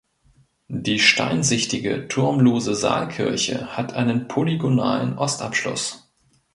Die steinsichtige turmlose Saalkirche hat einen polygonalen Ostabschluss.